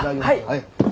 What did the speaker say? はい。